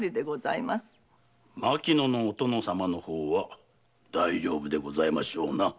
牧野のお殿様の方は大丈夫でございましょうな？